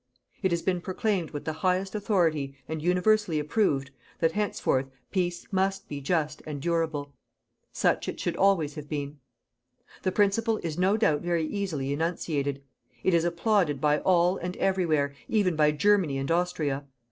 It has been proclaimed with the highest authority, and universally approved, that henceforth PEACE MUST BE JUST AND DURABLE. Such it should always have been. The principle is no doubt very easily enunciated. It is applauded by all and every where, even by Germany and Austria.